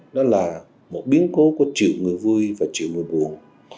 nó là một biến cố của triệu người vui và triệu người buồn